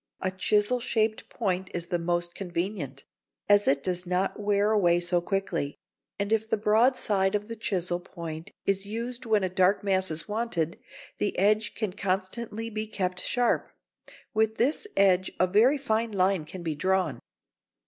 A chisel shaped point is the most convenient, as it does not wear away so quickly. And if the broad side of the chisel point is used when a dark mass is wanted, the edge can constantly be kept sharp. With this edge a very fine line can be drawn.